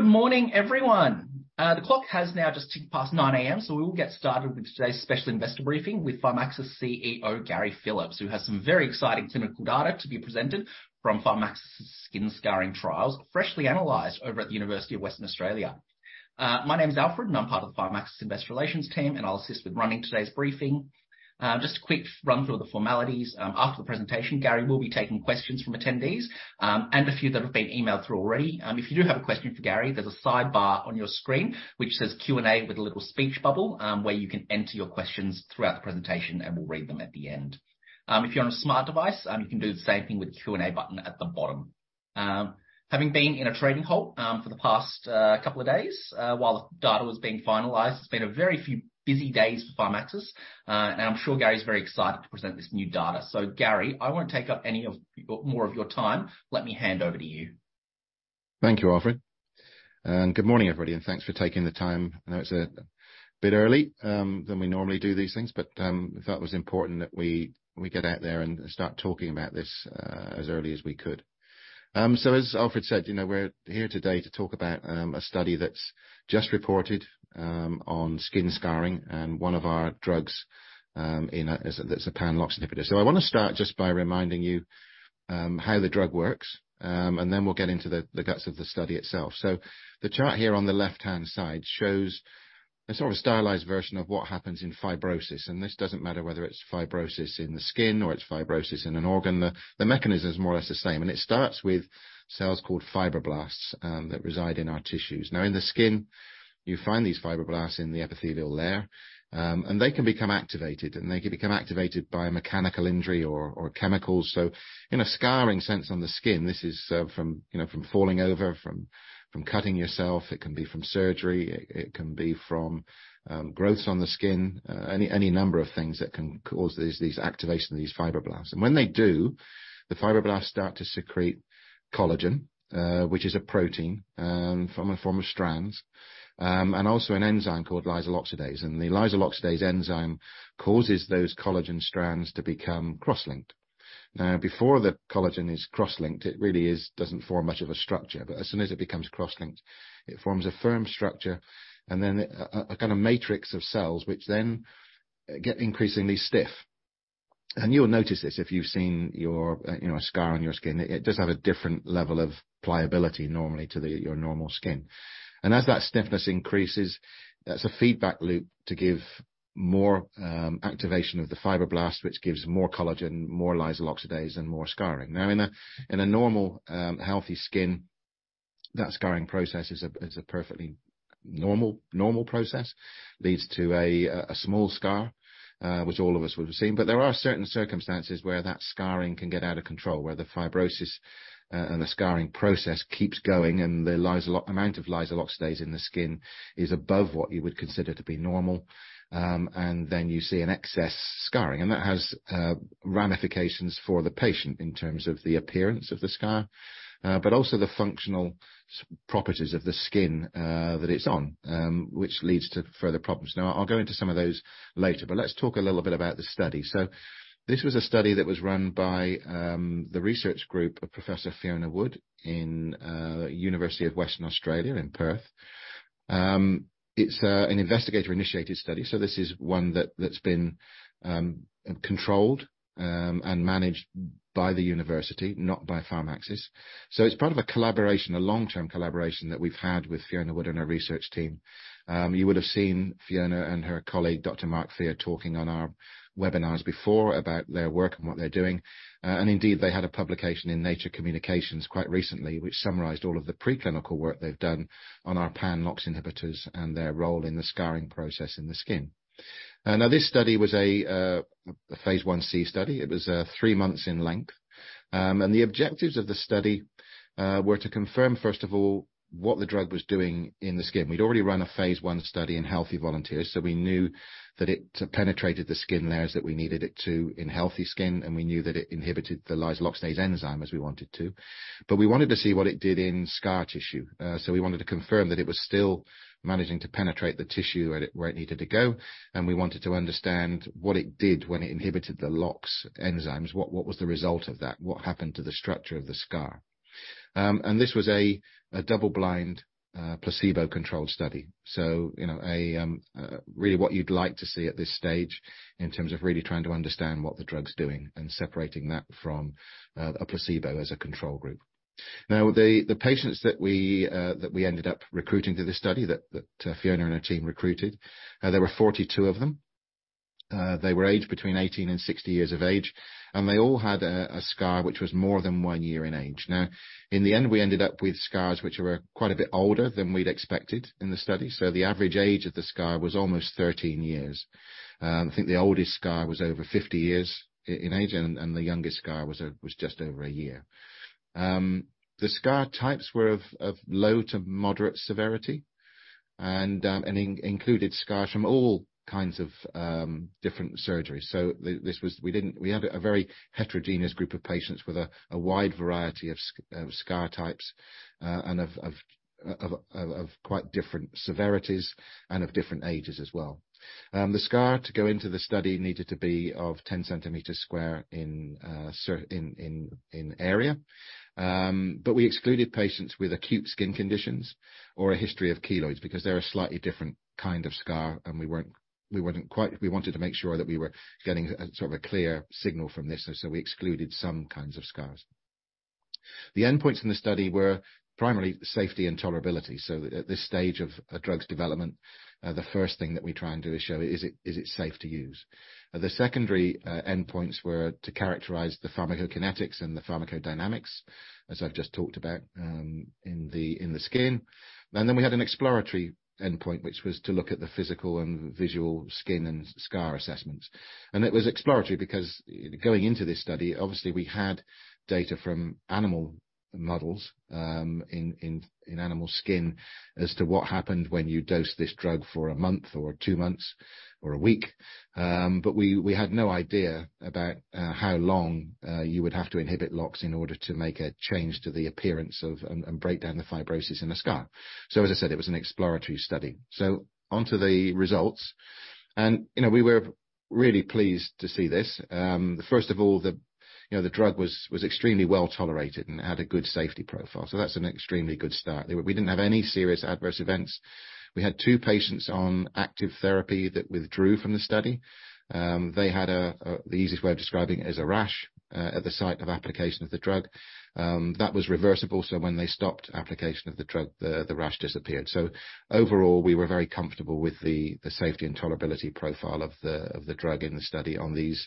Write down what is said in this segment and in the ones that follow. Good morning, everyone. The clock has now just ticked past 9:00A.M. We will get started with today's special investor briefing with Pharmaxis CEO, Gary Phillips, who has some very exciting clinical data to be presented from Pharmaxis skin scarring trials, freshly analyzed over at The University of Western Australia. My name is Alfred, I'm part of the Pharmaxis investor relations team, I'll assist with running today's briefing. Just a quick run through of the formalities. After the presentation, Gary will be taking questions from attendees, a few that have been emailed through already. If you do have a question for Gary, there's a sidebar on your screen which says Q&A with a little speech bubble, where you can enter your questions throughout the presentation, we'll read them at the end. If you're on a smart device, you can do the same thing with the Q&A button at the bottom. Having been in a trading halt for the past couple of days, while the data was being finalized, it's been a very few busy days for Pharmaxis. I'm sure Gary is very excited to present this new data. Gary, I won't take up more of your time. Let me hand over to you. Thank you, Alfred. Good morning, everybody, and thanks for taking the time. I know it's a bit early than we normally do these things. We thought it was important that we get out there and start talking about this as early as we could. As Alfred said, you know, we're here today to talk about a study that's just reported on skin scarring and one of our drugs that's a pan-LOX inhibitor. I wanna start just by reminding you how the drug works, and we'll get into the guts of the study itself. The chart here on the left-hand side shows a sort of stylized version of what happens in fibrosis. This doesn't matter whether it's fibrosis in the skin or it's fibrosis in an organ. The mechanism is more or less the same. It starts with cells called fibroblasts that reside in our tissues. Now in the skin, you find these fibroblasts in the epithelial layer. They can become activated, and they can become activated by a mechanical injury or chemicals. In a scarring sense on the skin, this is from, you know, from falling over, from cutting yourself. It can be from surgery, it can be from growths on the skin. Any number of things that can cause these activation of these fibroblasts. When they do, the fibroblasts start to secrete collagen, which is a protein from a form of strands, and also an enzyme called lysyl oxidase. The lysyl oxidase enzyme causes those collagen strands to become cross-linked. Before the collagen is cross-linked, it doesn't form much of a structure. As soon as it becomes cross-linked, it forms a firm structure and then a kind of matrix of cells which then get increasingly stiff. You'll notice this if you've seen, you know, a scar on your skin. It does have a different level of pliability normally to your normal skin. As that stiffness increases, that's a feedback loop to give more activation of the fibroblasts, which gives more collagen, more lysyl oxidase and more scarring. In a normal, healthy skin, that scarring process is a perfectly normal process. Leads to a small scar, which all of us would have seen. There are certain circumstances where that scarring can get out of control, where the fibrosis and the scarring process keeps going, and the amount of lysyl oxidase in the skin is above what you would consider to be normal. Then you see an excess scarring. That has ramifications for the patient in terms of the appearance of the scar, but also the functional properties of the skin that it's on, which leads to further problems. I'll go into some of those later, but let's talk a little bit about the study. This was a study that was run by the research group of Professor Fiona Wood in University of Western Australia in Perth. It's an investigator-initiated study. This is one that's been controlled and managed by the university, not by Pharmaxis. It's part of a collaboration, a long-term collaboration that we've had with Fiona Wood and her research team. You would have seen Fiona and her colleague, Dr Mark Fear, talking on our webinars before about their work and what they're doing. Indeed, they had a publication in Nature Communications quite recently which summarized all of the preclinical work they've done on our pan-LOX inhibitors and their role in the scarring process in the skin. This study was a phase Ic study. It was three months in length. The objectives of the study were to confirm, first of all, what the drug was doing in the skin. We'd already run a phase I study in healthy volunteers. We knew that it penetrated the skin layers that we needed it to in healthy skin, and we knew that it inhibited the lysyl oxidase enzyme as we wanted to. We wanted to see what it did in scar tissue. We wanted to confirm that it was still managing to penetrate the tissue where it needed to go, and we wanted to understand what it did when it inhibited the LOX enzymes. What was the result of that? What happened to the structure of the scar? This was a double-blind, placebo-controlled study. You know, really what you'd like to see at this stage in terms of really trying to understand what the drug's doing and separating that from a placebo as a control group. The patients that we ended up recruiting to this study, that Fiona and her team recruited, there were 42 of them. They were aged between 18 and 60 years of age, and they all had a scar which was more than one year in age. In the end, we ended up with scars which were quite a bit older than we'd expected in the study. The average age of the scar was almost 13 years. I think the oldest scar was over 50 years in age, and the youngest scar was just over a year. The scar types were of low to moderate severity and included scars from all kinds of different surgeries. We had a very heterogeneous group of patients with a wide variety of scar types, and of quite different severities and of different ages as well. The scar to go into the study needed to be of 10 centimeters square in area. We excluded patients with acute skin conditions or a history of keloids because they're a slightly different kind of scar, and we wanted to make sure that we were getting a sort of a clear signal from this, so we excluded some kinds of scars. The endpoints in the study were primarily safety and tolerability. At this stage of a drug's development, the first thing that we try and do is show is it safe to use. The secondary endpoints were to characterize the pharmacokinetics and the pharmacodynamics, as I've just talked about, in the skin. Then we had an exploratory endpoint, which was to look at the physical and visual skin and scar assessments. It was exploratory because going into this study, obviously, we had data from animal models, in animal skin as to what happened when you dose this drug for a month or two months or a week. But we had no idea about how long you would have to inhibit LOX in order to make a change to the appearance of and break down the fibrosis in a scar. As I said, it was an exploratory study. Onto the results. You know, we were really pleased to see this. First of all, you know, the drug was extremely well-tolerated and had a good safety profile. That's an extremely good start. We didn't have any serious adverse events. We had two patients on active therapy that withdrew from the study. They had the easiest way of describing it is a rash at the site of application of the drug. That was reversible, so when they stopped application of the drug, the rash disappeared. Overall, we were very comfortable with the safety and tolerability profile of the drug in the study on these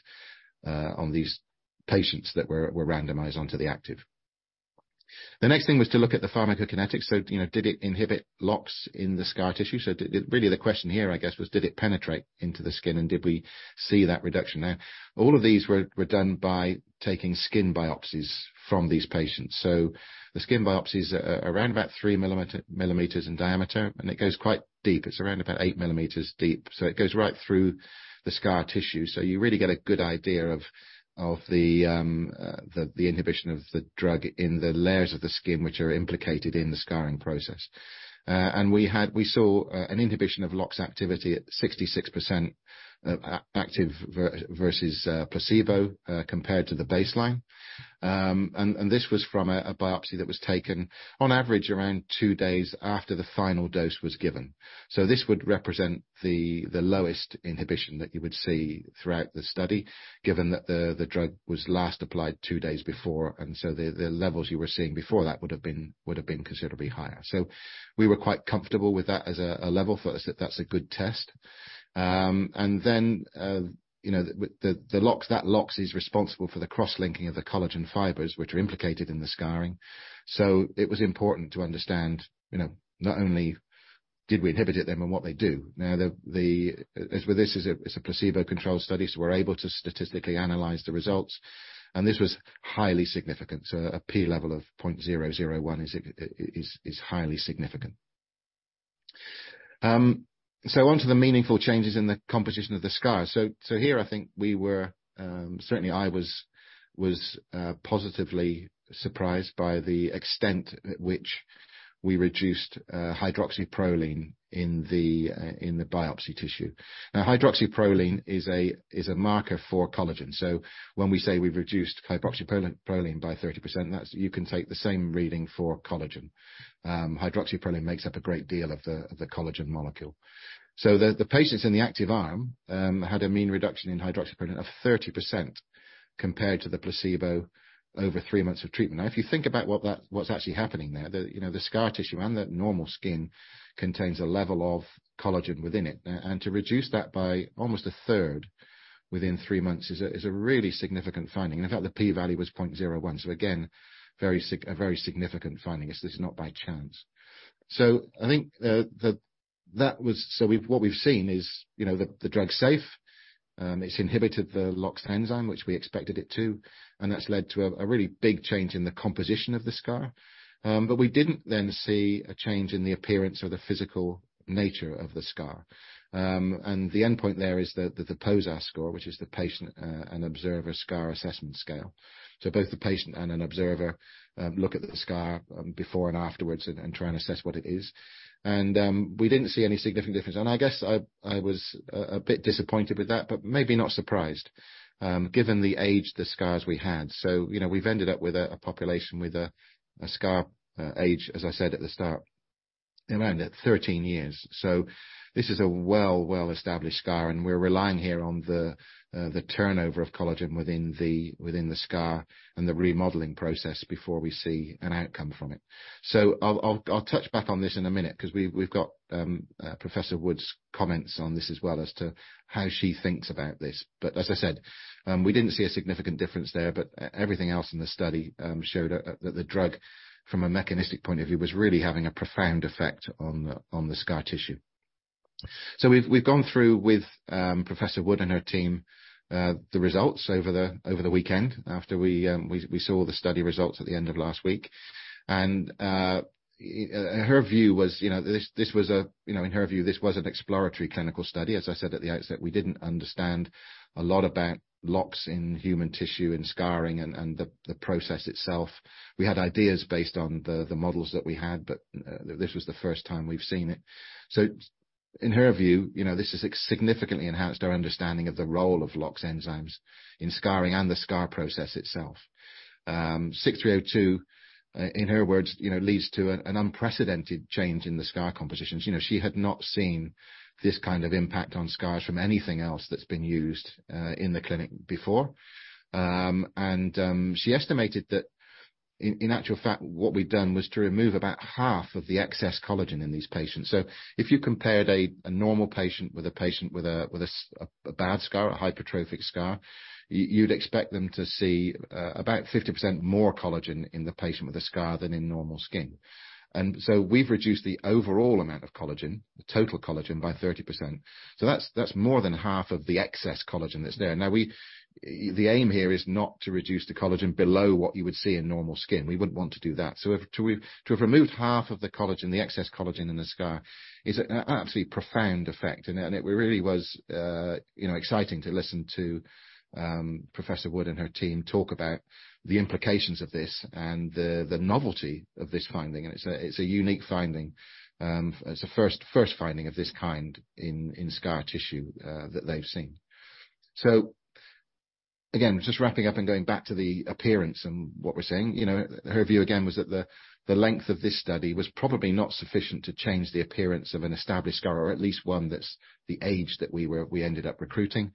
patients that were randomized onto the active. The next thing was to look at the pharmacokinetics. You know, did it inhibit LOX in the scar tissue? Really the question here, I guess, was did it penetrate into the skin, and did we see that reduction? Now, all of these were done by taking skin biopsies from these patients. The skin biopsies are around about 3mm in diameter, and it goes quite deep. It's around about 8mm deep, so it goes right through the scar tissue. You really get a good idea of the inhibition of the drug in the layers of the skin, which are implicated in the scarring process. And we saw an inhibition of LOX activity at 66% active versus placebo, compared to the baseline. And this was from a biopsy that was taken on average around two days after the final dose was given. This would represent the lowest inhibition that you would see throughout the study, given that the drug was last applied two days before, the levels you were seeing before that would have been considerably higher. We were quite comfortable with that as a level. For us, that's a good test. You know, the LOX, that LOX is responsible for the cross-linking of the collagen fibers, which are implicated in the scarring. It was important to understand, you know, not only did we inhibit them and what they do. This is a placebo-controlled study, we're able to statistically analyze the results. This was highly significant. A P level of 0.001 is highly significant. On to the meaningful changes in the composition of the scar. Here I think we were, certainly I was positively surprised by the extent at which we reduced hydroxyproline in the biopsy tissue. Hydroxyproline is a marker for collagen. When we say we've reduced hydroxyproline by 30%, that's you can take the same reading for collagen. Hydroxyproline makes up a great deal of the collagen molecule. The patients in the active arm had a mean reduction in hydroxyproline of 30% compared to the placebo over 3 months of treatment. If you think about what's actually happening there, you know, the scar tissue and the normal skin contains a level of collagen within it. To reduce that by almost a 1/3 within three months is a really significant finding. In fact, the P value was 0.01. Again, a very significant finding. This is not by chance. I think what we've seen is, you know, the drug's safe. It's inhibited the LOX enzyme, which we expected it to, and that's led to a really big change in the composition of the scar. We didn't then see a change in the appearance or the physical nature of the scar. The endpoint there is the POSAS score, which is the Patient and Observer Scar Assessment Scale. Both the patient and an observer look at the scar before and afterwards and try and assess what it is. We didn't see any significant difference. I guess I was a bit disappointed with that, but maybe not surprised, given the age of the scars we had. You know, we've ended up with a population with a scar age, as I said at the start, around at 13 years. This is a well-established scar, and we're relying here on the turnover of collagen within the scar and the remodeling process before we see an outcome from it. I'll touch back on this in a minute 'cause we've got Professor Wood's comments on this as well as to how she thinks about this. As I said, we didn't see a significant difference there, everything else in the study showed the drug from a mechanistic point of view was really having a profound effect on the scar tissue. We've gone through with Professor Wood and her team the results over the weekend after we saw the study results at the end of last week. Her view was, you know, this was a, you know, in her view, this was an exploratory clinical study. As I said at the outset, we didn't understand a lot about LOX in human tissue and scarring and the process itself. We had ideas based on the models that we had, this was the first time we've seen it. In her view, you know, this has significantly enhanced our understanding of the role of LOX enzymes in scarring and the scar process itself. PXS-6302, in her words, you know, leads to an unprecedented change in the scar compositions. You know, she had not seen this kind of impact on scars from anything else that's been used in the clinic before. She estimated that in actual fact, what we've done was to remove about half of the excess collagen in these patients. If you compared a normal patient with a bad scar or a hypertrophic scar, you'd expect them to see about 50% more collagen in the patient with a scar than in normal skin. We've reduced the overall amount of collagen, the total collagen by 30%. That's more than half of the excess collagen that's there. The aim here is not to reduce the collagen below what you would see in normal skin. We wouldn't want to do that. To have removed half of the collagen, the excess collagen in the scar is an absolutely profound effect. It really was, you know, exciting to listen to Professor Wood and her team talk about the implications of this and the novelty of this finding. It's a unique finding. It's the first finding of this kind in scar tissue that they've seen. Again, just wrapping up and going back to the appearance and what we're seeing. You know, her view again, was that the length of this study was probably not sufficient to change the appearance of an established scar or at least one that's the age that we ended up recruiting.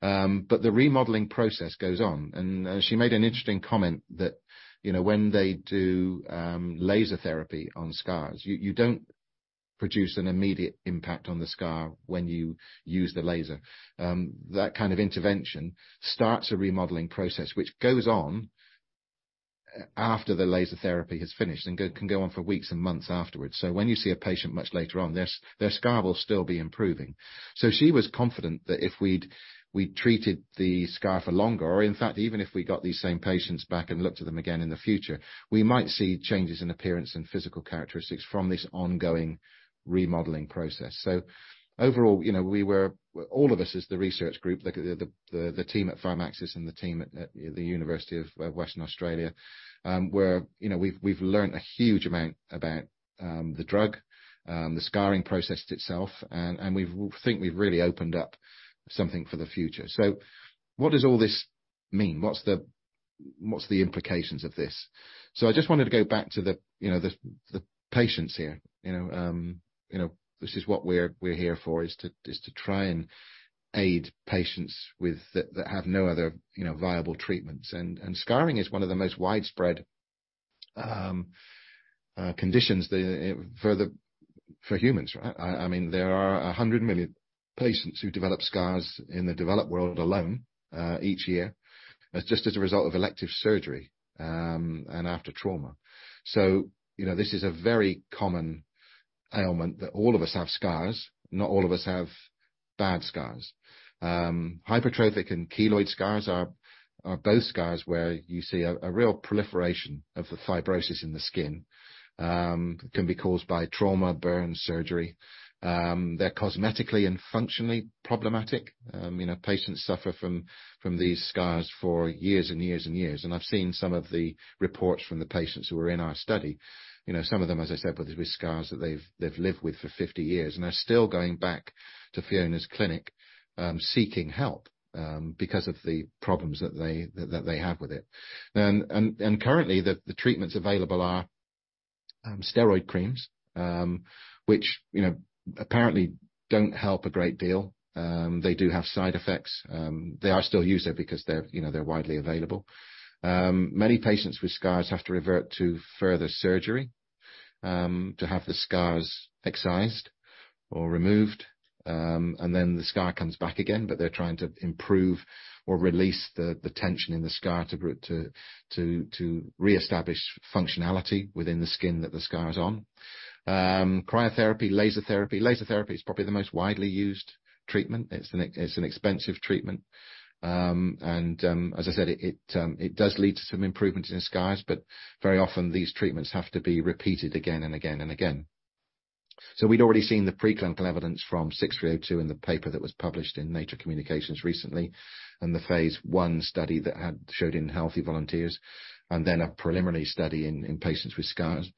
The remodeling process goes on. She made an interesting comment that, you know, when they do, laser therapy on scars, you don't produce an immediate impact on the scar when you use the laser. That kind of intervention starts a remodeling process which goes on after the laser therapy has finished and can go on for weeks and months afterwards. When you see a patient much later on, their scar will still be improving. She was confident that if we'd treated the scar for longer, or in fact, even if we got these same patients back and looked at them again in the future, we might see changes in appearance and physical characteristics from this ongoing remodeling process. Overall, you know, we were all of us as the research group, the, the team at Pharmaxis and the team at The University of Western Australia, were you know, we've learned a huge amount about the drug, the scarring process itself, and we think we've really opened up something for the future. What does all this mean? What's the, what's the implications of this? I just wanted to go back to the, you know, the patients here. You know, you know, this is what we're here for is to try and aid patients that have no other, you know, viable treatments. Scarring is one of the most widespread conditions for humans, right? I mean, there are 100 million patients who develop scars in the developed world alone each year, just as a result of elective surgery and after trauma. You know, this is a very common ailment that all of us have scars. Not all of us have bad scars. Hypertrophic and keloid scars are both scars where you see a real proliferation of the fibrosis in the skin. Can be caused by trauma, burns, surgery. They're cosmetically and functionally problematic. You know, patients suffer from these scars for years and years and years. I've seen some of the reports from the patients who are in our study. You know, some of them, as I said, with scars that they've lived with for 50 years and are still going back to Fiona's clinic, seeking help, because of the problems that they have with it. Currently, the treatments available are steroid creams, which, you know, apparently don't help a great deal. They do have side effects. They are still used, though, because they're, you know, they're widely available. Many patients with scars have to revert to further surgery, to have the scars excised or removed. Then the scar comes back again, but they're trying to improve or release the tension in the scar to reestablish functionality within the skin that the scar is on. Cryotherapy, laser therapy. Laser therapy is probably the most widely used treatment. It's an expensive treatment. As I said, it does lead to some improvements in scars, but very often these treatments have to be repeated again and again and again. We'd already seen the preclinical evidence from PXS-6302 in the paper that was published in Nature Communications recently, and the phase I study that had showed in healthy volunteers, and then a preliminary study in patients with scars.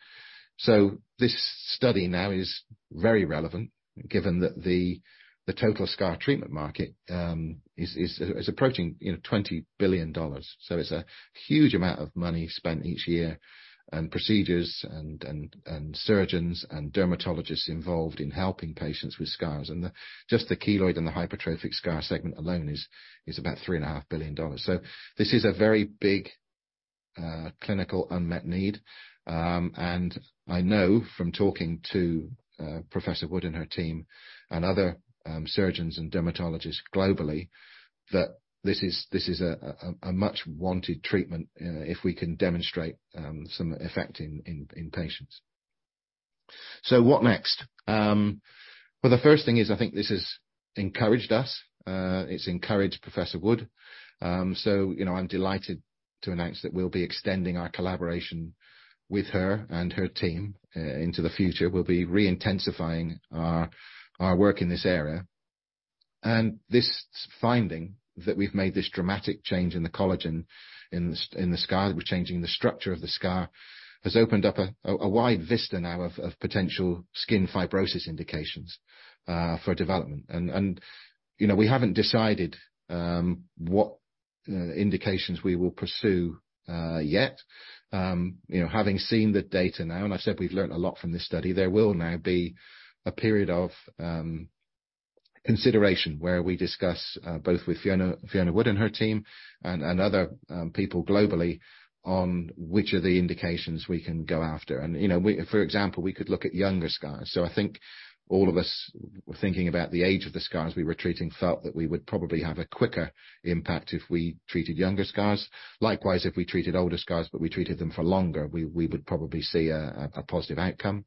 This study now is very relevant given that the total scar treatment market, you know, is approaching $20 billion. It's a huge amount of money spent each year and procedures and surgeons and dermatologists involved in helping patients with scars. Just the keloid and the hypertrophic scar segment alone is about 3.5 billion dollars. This is a very big clinical unmet need. I know from talking to Professor Wood and her team and other surgeons and dermatologists globally, that this is a much wanted treatment if we can demonstrate some effect in patients. What next? The first thing is, I think this has encouraged us. It's encouraged Professor Wood. You know, I'm delighted to announce that we'll be extending our collaboration with her and her team into the future. We'll be re-intensifying our work in this area. This finding that we've made this dramatic change in the collagen in the scar, we're changing the structure of the scar, has opened up a wide vista now of potential skin fibrosis indications for development. You know, we haven't decided what indications we will pursue yet. You know, having seen the data now, and I said we've learned a lot from this study, there will now be a period of consideration where we discuss both with Fiona Wood and her team and other people globally on which of the indications we can go after. You know, for example, we could look at younger scars. I think all of us thinking about the age of the scars we were treating felt that we would probably have a quicker impact if we treated younger scars. Likewise, if we treated older scars, but we treated them for longer, we would probably see a positive outcome.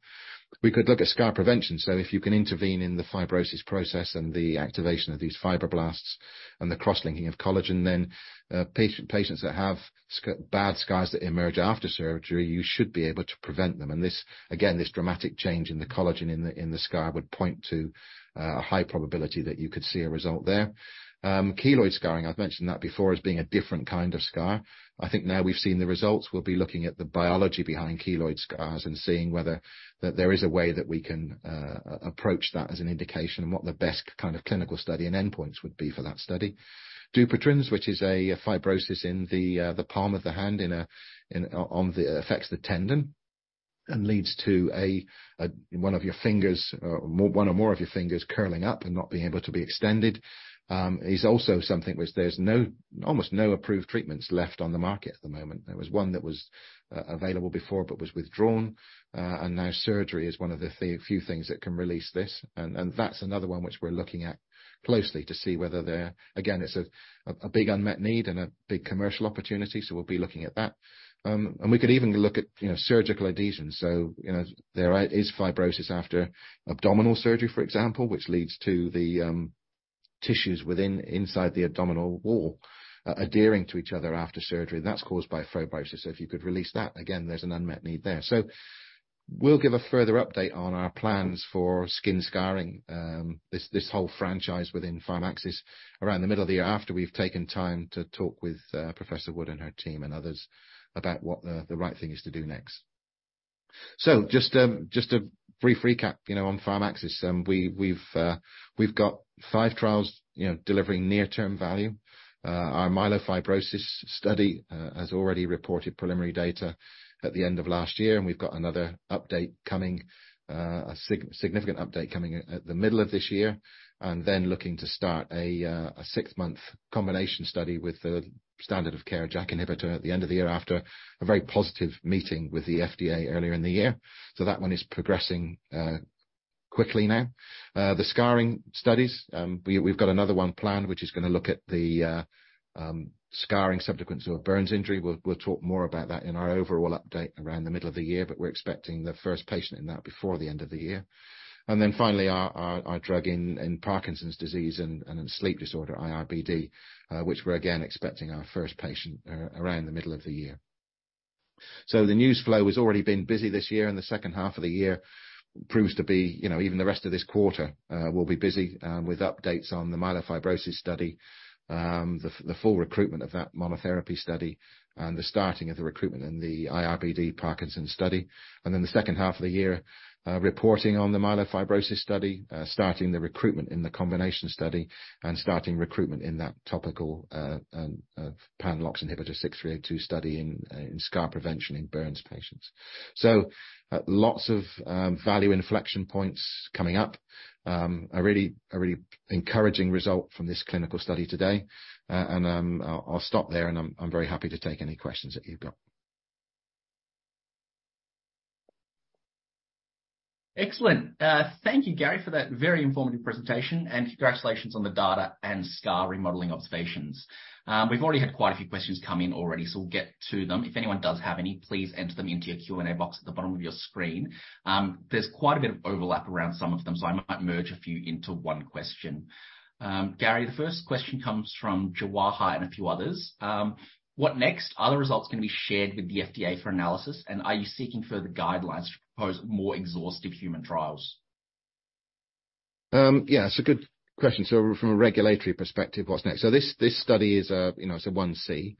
We could look at scar prevention. If you can intervene in the fibrosis process and the activation of these fibroblasts and the cross-linking of collagen, then patients that have bad scars that emerge after surgery, you should be able to prevent them. This, again, this dramatic change in the collagen in the scar would point to a high probability that you could see a result there. Keloid scarring, I've mentioned that before as being a different kind of scar. I think now we've seen the results. We'll be looking at the biology behind keloid scars and seeing whether that there is a way that we can approach that as an indication and what the best kind of clinical study and endpoints would be for that study. Dupuytren's, which is a fibrosis in the palm of the hand affects the tendon and leads to one of your fingers, or one or more of your fingers curling up and not being able to be extended, is also something which there's almost no approved treatments left on the market at the moment. There was one that was available before but was withdrawn, and now surgery is one of the few things that can release this. That's another one which we're looking at closely to see whether. Again, it's a big unmet need and a big commercial opportunity, so we'll be looking at that. We could even look at, you know, surgical adhesions. You know, is fibrosis after abdominal surgery, for example, which leads to the tissues within inside the abdominal wall, adhering to each other after surgery. That's caused by fibrosis. If you could release that, again, there's an unmet need there. We'll give a further update on our plans for skin scarring, this whole franchise within Pharmaxis around the middle of the year after we've taken time to talk with Professor Wood and her team and others about what the right thing is to do next. Just a brief recap, you know, on Pharmaxis. We've got five trials, you know, delivering near-term value. Our myelofibrosis study has already reported preliminary data at the end of last year, and we've got another update coming, a significant update coming at the middle of this year. Then looking to start a six-month combination study with the standard of care JAK inhibitor at the end of the year after a very positive meeting with the FDA earlier in the year. That one is progressing quickly now. The scarring studies, we've got another one planned, which is gonna look at the scarring subsequent to a burns injury. We'll talk more about that in our overall update around the middle of the year, but we're expecting the first patient in that before the end of the year. Finally, our drug in Parkinson's disease and in sleep disorder, IRBD, which we're again expecting our first patient around the middle of the year. The news flow has already been busy this year, and the second half of the year proves to be, you know, even the rest of this quarter, will be busy with updates on the myelofibrosis study, the full recruitment of that monotherapy study and the starting of the recruitment in the iRBD Parkinson's study. The second half of the year reporting on the myelofibrosis study, starting the recruitment in the combination study and starting recruitment in that topical pan-LOX inhibitor PXS-6302 study in scar prevention in burns patients. Lots of value inflection points coming up. A really encouraging result from this clinical study today. I'll stop there, and I'm very happy to take any questions that you've got. Excellent. Thank you, Gary, for that very informative presentation, and congratulations on the data and scar remodeling observations. We've already had quite a few questions come in already, so we'll get to them. If anyone does have any, please enter them into your Q&A box at the bottom of your screen. There's quite a bit of overlap around some of them, so I might merge a few into one question. Gary, the first question comes from Jawahar and a few others. What next? Are the results gonna be shared with the FDA for analysis, and are you seeking further guidelines to propose more exhaustive human trials? Yeah, it's a good question. From a regulatory perspective, what's next? This study is a, you know, it's a 1c.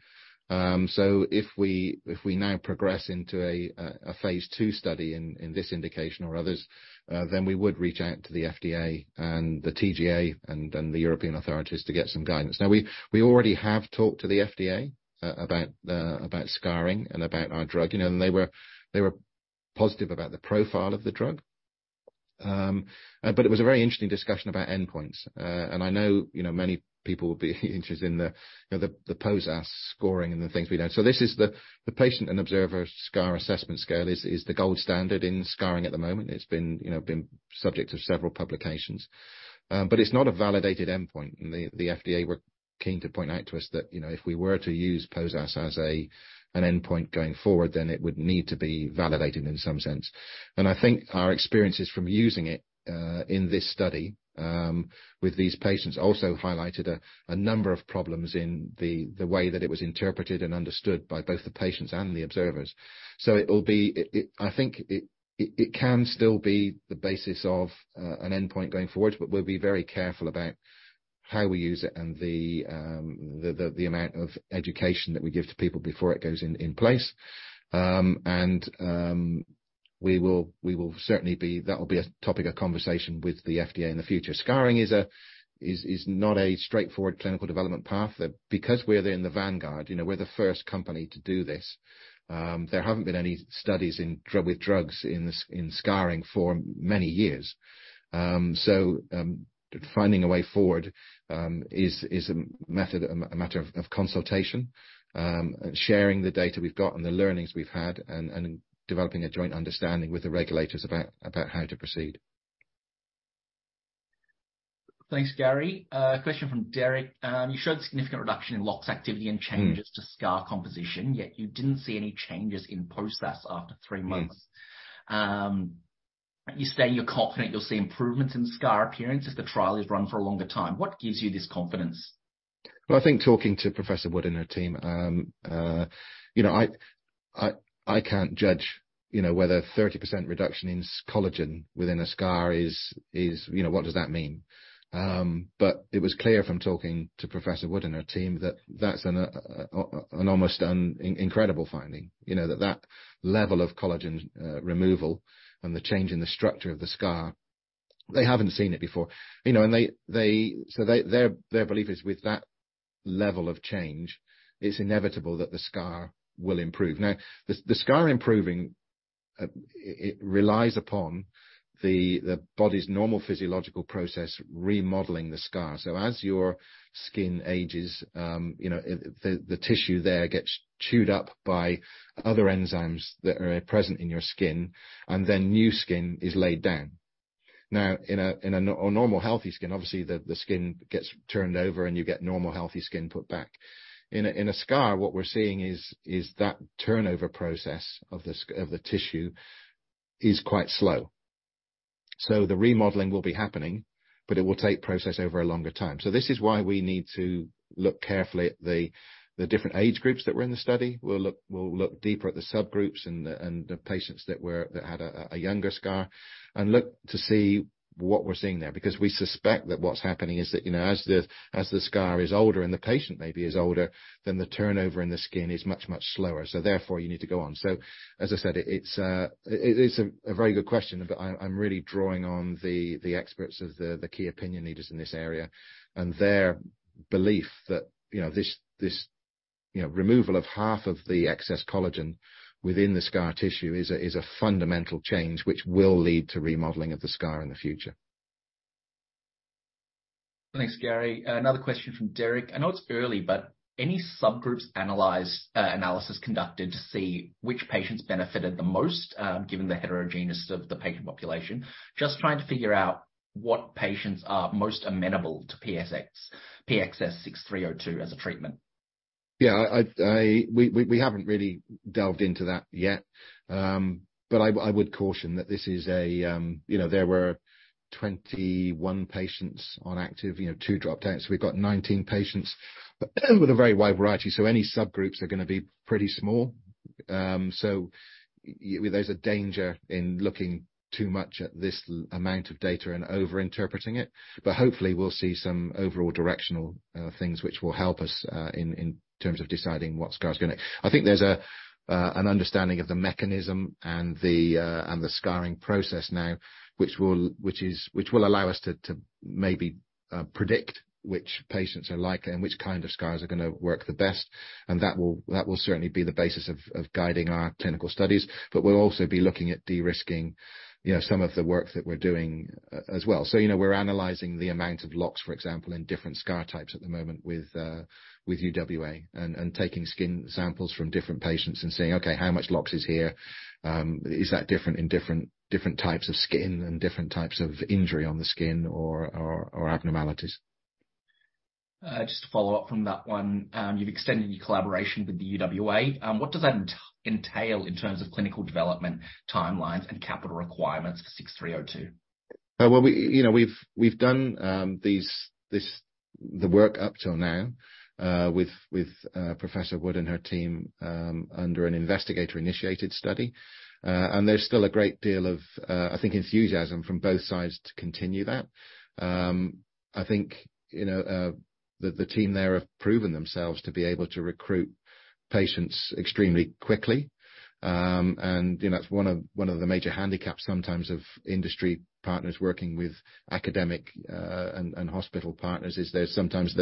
If we now progress into a phase II study in this indication or others, then we would reach out to the FDA and the TGA and the European authorities to get some guidance. We already have talked to the FDA about scarring and about our drug. You know, they were positive about the profile of the drug. It was a very interesting discussion about endpoints. I know, you know, many people will be interested in the, you know, the POSAS scoring and the things we know. This is the Patient and Observer Scar Assessment Scale is the gold standard in scarring at the moment. It's been, you know, subject to several publications. It's not a validated endpoint. The FDA were keen to point out to us that, you know, if we were to use POSAS as an endpoint going forward, then it would need to be validated in some sense. I think our experiences from using it in this study with these patients also highlighted a number of problems in the way that it was interpreted and understood by both the patients and the observers. I think it can still be the basis of an endpoint going forward, but we'll be very careful about how we use it and the amount of education that we give to people before it goes in place. We will certainly that will be a topic of conversation with the FDA in the future. Scarring is not a straightforward clinical development path. We're in the vanguard, you know, we're the first company to do this, there haven't been any studies with drugs in scarring for many years. Finding a way forward, is a matter of consultation, sharing the data we've got and the learnings we've had, and developing a joint understanding with the regulators about how to proceed. Thanks, Gary. A question from Derek. You showed significant reduction in LOX activity and changes- Mm. -to scar composition, yet you didn't see any changes in POSAS after three months. Mm. You say you're confident you'll see improvements in scar appearance if the trial is run for a longer time. What gives you this confidence? I think talking to Professor Wood and her team, you know, I can't judge, you know, whether 30% reduction in collagen within a scar is, you know, what does that mean? But it was clear from talking to Professor Wood and her team that that's an almost an incredible finding, you know. That level of collagen removal and the change in the structure of the scar, they haven't seen it before. You know, and they, so their belief is with that level of change, it's inevitable that the scar will improve. The scar improving, it relies upon the body's normal physiological process remodeling the scar. As your skin ages, you know, the tissue there gets chewed up by other enzymes that are present in your skin, and then new skin is laid down. In a, in a normal, healthy skin, obviously, the skin gets turned over, and you get normal healthy skin put back. In a, in a scar, what we're seeing is that turnover process of the tissue is quite slow. The remodeling will be happening, but it will take process over a longer time. This is why we need to look carefully at the different age groups that were in the study. We'll look deeper at the subgroups and the patients that had a younger scar and look to see what we're seeing there. We suspect that what's happening is that, you know, as the scar is older and the patient maybe is older, then the turnover in the skin is much slower. Therefore, you need to go on. As I said, it's a very good question, but I'm really drawing on the experts of the key opinion leaders in this area and their belief that, you know, this, you know, removal of half of the excess collagen within the scar tissue is a fundamental change which will lead to remodeling of the scar in the future. Thanks, Gary. Another question from Derek. I know it's early, but any subgroups analyzed, analysis conducted to see which patients benefited the most, given the heterogeneous of the patient population? Just trying to figure out what patients are most amenable to PXS-6302 as a treatment. Yeah. I, we haven't really delved into that yet. I would caution that this is a, you know, there were 21 patients on active, you know, two dropped out. We've got 19 patients, but with a very wide variety, any subgroups are gonna be pretty small. There's a danger in looking too much at this amount of data and over interpreting it. Hopefully we'll see some overall directional things which will help us in terms of deciding what scar. I think there's an understanding of the mechanism and the scarring process now, which will allow us to maybe predict which patients are likely and which kind of scars are gonna work the best. That will certainly be the basis of guiding our clinical studies. We'll also be looking at de-risking, you know, some of the work that we're doing as well. You know, we're analyzing the amount of LOX, for example, in different scar types at the moment with UWA. Taking skin samples from different patients and saying, "Okay, how much LOX is here? Is that different in different types of skin and different types of injury on the skin or abnormalities? Just to follow up from that one. You've extended your collaboration with the UWA. What does that entail in terms of clinical development timelines and capital requirements for 6302? Well, we, you know, we've done the work up till now with Professor Wood and her team under an investigator-initiated study. There's still a great deal of, I think, enthusiasm from both sides to continue that. I think, you know, the team there have proven themselves to be able to recruit patients extremely quickly. You know, it's one of the major handicaps sometimes of industry partners working with academic and hospital partners, is there's sometimes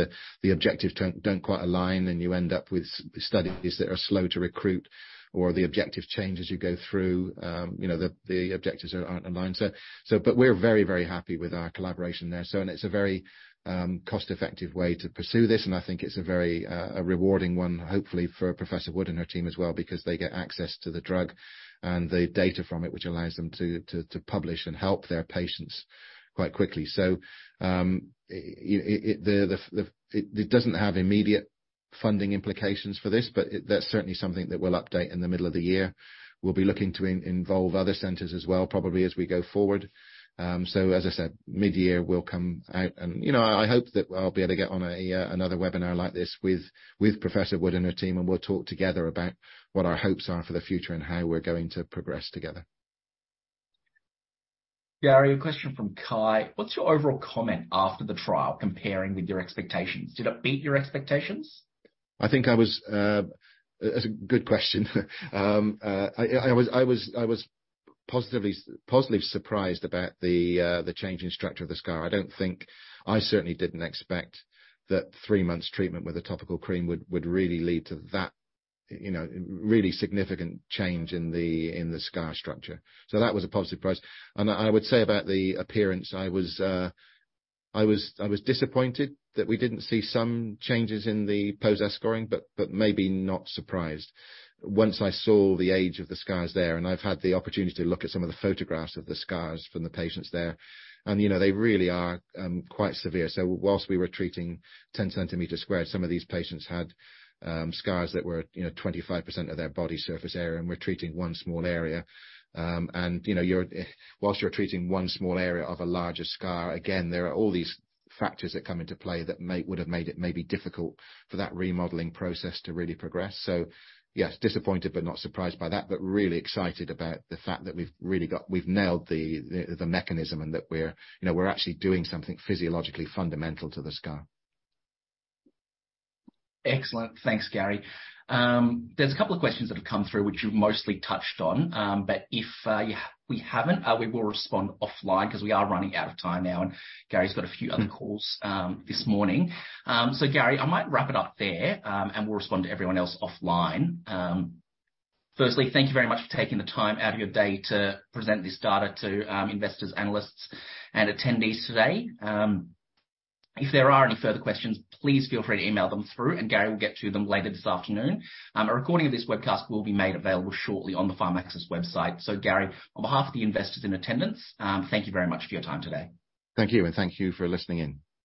the objectives don't quite align, and you end up with studies that are slow to recruit or the objective changes you go through. You know, the objectives aren't aligned. We're very happy with our collaboration there. And it's a very cost-effective way to pursue this, and I think it's a very rewarding one, hopefully for Professor Wood and her team as well, because they get access to the drug and the data from it, which allows them to publish and help their patients quite quickly. It doesn't have immediate funding implications for this, but that's certainly something that we'll update in the middle of the year. We'll be looking to involve other centers as well, probably as we go forward. As I said, mid-year will come out and, you know, I hope that I'll be able to get on another webinar like this with Professor Wood and her team, and we'll talk together about what our hopes are for the future and how we're going to progress together. Gary, a question from Kai. What's your overall comment after the trial comparing with your expectations? Did it beat your expectations? I think I was. That's a good question. I was positively surprised about the change in structure of the scar. I certainly didn't expect that three months treatment with a topical cream would really lead to that, you know, really significant change in the scar structure. That was a positive surprise. I would say about the appearance, I was disappointed that we didn't see some changes in the POSAS scoring, but maybe not surprised. Once I saw the age of the scars there, I've had the opportunity to look at some of the photographs of the scars from the patients there, you know, they really are quite severe. Whilst we were treating 10 centimeter squared, some of these patients had scars that were, you know, 25% of their body surface area, and we're treating one small area. You know, whilst you're treating one small area of a larger scar, again, there are all these factors that come into play that would have made it maybe difficult for that remodeling process to really progress. Yes, disappointed, but not surprised by that. Really excited about the fact that we've really nailed the mechanism and that we're, you know, we're actually doing something physiologically fundamental to the scar. Excellent. Thanks, Gary. There's a couple of questions that have come through which you've mostly touched on. If we haven't, we will respond offline because we are running out of time now, and Gary's got a few other calls. Mm-hmm. This morning. Gary, I might wrap it up there, and we'll respond to everyone else offline. Firstly, thank you very much for taking the time out of your day to present this data to investors, analysts, and attendees today. If there are any further questions, please feel free to email them through, and Gary will get to them later this afternoon. A recording of this webcast will be made available shortly on the Pharmaxis website. Gary, on behalf of the investors in attendance, thank you very much for your time today. Thank you, and thank you for listening in.